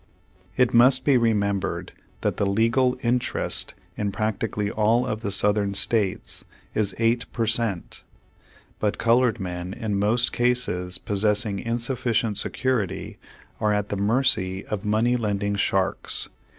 It must be remembered that the legal interest in practically all of the Southern states is eight per cent. But colored men in most cases possess ing insufficient security, are at the mercy of money lending sharks.